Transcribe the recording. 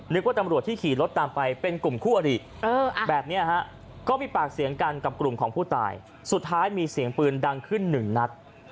ว่าตำรวจที่ขี่รถตามไปเป็นกลุ่มคู่อริแบบนี้ฮะก็มีปากเสียงกันกับกลุ่มของผู้ตายสุดท้ายมีเสียงปืนดังขึ้นหนึ่งนัด